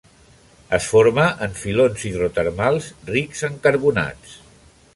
Es forma en filons hidrotermals rics en carbonats.